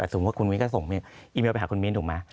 แต่สมมุติคุณมิ้นก็ส่งอีเมลไปหาคุณมิ้นถูกไหม